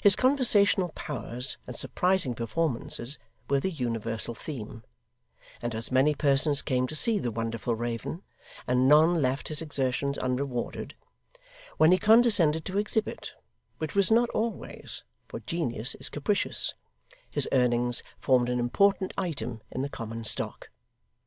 His conversational powers and surprising performances were the universal theme: and as many persons came to see the wonderful raven, and none left his exertions unrewarded when he condescended to exhibit, which was not always, for genius is capricious his earnings formed an important item in the common stock.